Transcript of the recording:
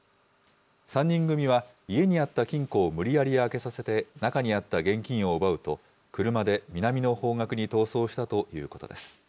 ３人組は家にあった金庫を無理やり開けさせて、中にあった現金を奪うと、車で南の方角に逃走したということです。